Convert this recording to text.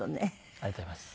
ありがとうございます。